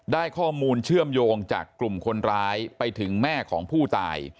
ได้ข้อมูลเชื่อมโยงจากกลุ่มคนร้ายไปถึงแม่ของผู้ตาย